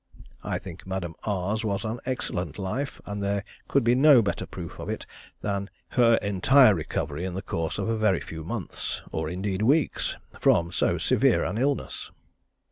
I think Madame R's was an excellent life, and there could be no better proof of it than her entire recovery in the course of a very few months, or indeed weeks, from so severe an illness.